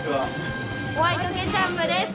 ホワイトケチャップです。